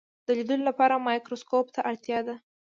د لیدلو لپاره مایکروسکوپ ته اړتیا ده.